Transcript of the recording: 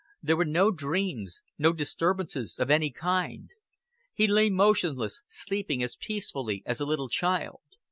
There were no dreams, no disturbances of any kind. He lay motionless, sleeping as peacefully as a little child.